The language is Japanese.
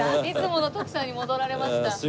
いつもの徳さんに戻られました。